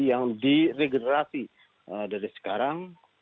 yang diregenerasi dari sekarang